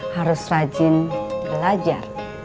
harus rajin belajar